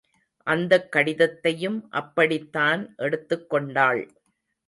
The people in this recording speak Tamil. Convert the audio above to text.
அந்தக் கடிதத்தையும் அப்படித்தான் எடுத்துக்கொண்டாள்.